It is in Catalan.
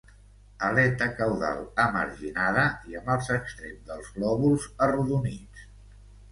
Aleta caudal emarginada i amb els extrems dels lòbuls arrodonits.